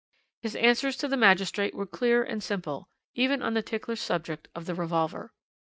"His answers to the magistrate were clear and simple, even on the ticklish subject of the revolver.